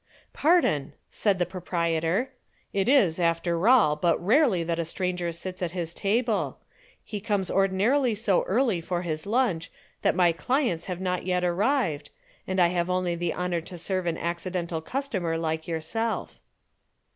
"Pardon," said the proprietor. "It is, after all, but rarely that a stranger sits at his table. He comes ordinarily so early for his lunch that my clients have not yet arrived, and I have only the honor to serve an accidental customer like yourself."